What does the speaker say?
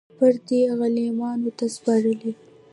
موږ شهپر دی غلیمانو ته سپارلی